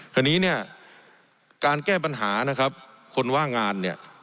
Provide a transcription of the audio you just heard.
ทีนี้การแก้ปัญหานะครับคนว่างงาน